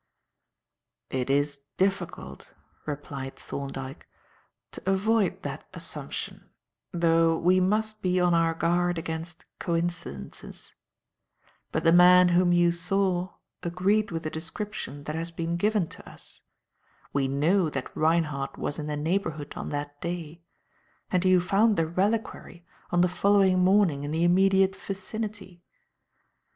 "It is difficult," replied Thorndyke, "to avoid that assumption, though we must be on our guard against coincidences; but the man whom you saw agreed with the description that has been given to us, we know that Reinhardt was in the neighbourhood on that day, and you found the reliquary on the following morning in the immediate vicinity.